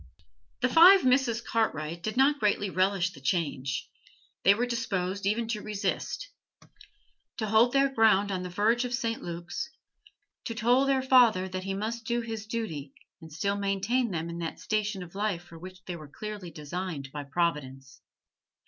The five Misses Cartwright did not greatly relish the change; they were disposed even to resist, to hold their ground on the verge of St. Luke's, to toll their father that he must do his duty and still maintain them in that station of life for which they were clearly designed by Providence.